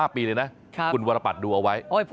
๕ปีเลยนะคุณวรปัตรดูเอาไว้